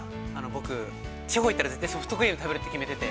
◆僕、地方行ったら絶対ソフトクリームを食べるって決めてて。